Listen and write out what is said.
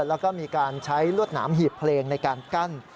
แล้วก็มีการใช้ลวดหนามหีบเพลงในการกั้น